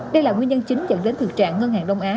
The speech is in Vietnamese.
đây là nguyên nhân chính dẫn đến thực trạng ngân hàng đông á